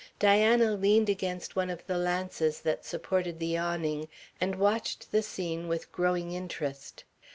Diana leaned against one of the lances that supported the awning and watched the scene with growing interest.